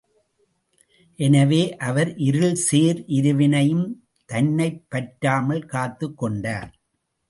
எனவே அவர் இருள் சேர் இருவினையும் தன்னைப் பற்றாமல் காத்துக் கொண்டார்.